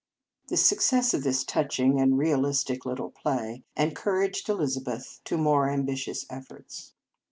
The success of this touching and realistic little play encouraged Eliza beth to more ambitious efforts.